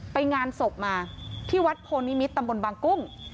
ไปงานศพมาที่วัดโพนิมิตรตำบลบางกุ้ง